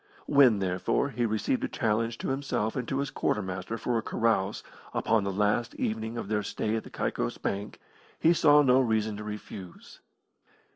When, therefore, he received a challenge to himself and to his quartermaster for a carouse upon the last evening of their stay at the Caicos Bank he saw no reason to refuse.